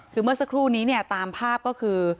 คือเมื่อสักครู่นี้เนี่ยตามภาพก็คือ